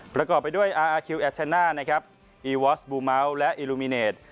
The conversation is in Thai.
ประกอบไปด้วยอาร์อาร์คิวแอทเทน่าอีวอสบูมัลและอิลลูมิเนท